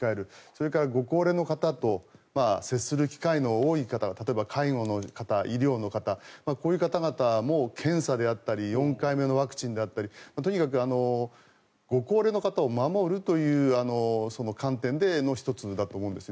それからご高齢の方と接する機会の多い方例えば介護の方、医療の方こういう方々も検査であったり４回目のワクチンであったりとにかくご高齢の方を守るというその観点での１つだと思うんです。